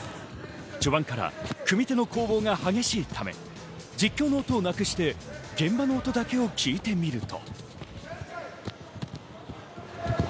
序盤から組手の攻防が激しいため、実況の音をなくして現場の音だけを聞いてみると。